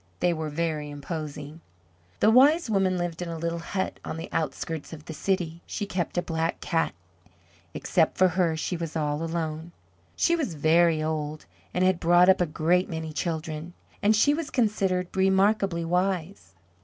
They were very imposing. The Wise Woman lived in a little hut on the outskirts of the city. She kept a Black Cat, except for her, she was all alone. She was very old, and had brought up a great many children, and she was considered remarkably wise.